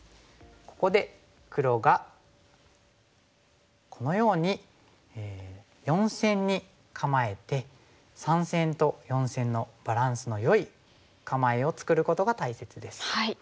ここで黒がこのように４線に構えて３線と４線のバランスのよい構えを作ることが大切です。